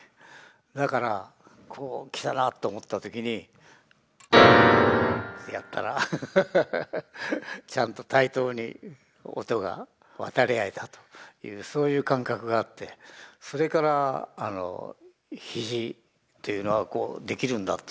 だからこうきたなと思った時に。ってやったらハハハハハちゃんと対等に音が渡り合えたというそういう感覚があってそれから肘っていうのはこうできるんだって。